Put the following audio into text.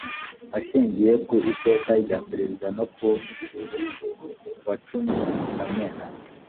Ashingiye ku Iteka rya Perezida no ryo kuwa cumi kamena